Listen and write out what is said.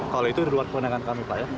kalau itu di luar kewenangan kami pak ya